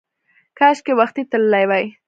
کاشکې وختي تللی وای!